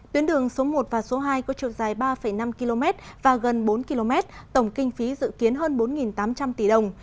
tuyến đường số một và số hai có chiều dài ba năm km và gần bốn km tổng kinh phí dự kiến hơn bốn tám trăm linh tỷ đồng